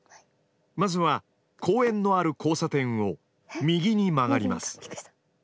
まずは公園のある交差点を右に曲がります。